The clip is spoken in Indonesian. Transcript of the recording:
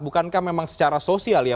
bukankah memang secara sosial ya